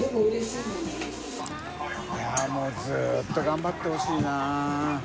いやぁもうずっと頑張ってほしいな。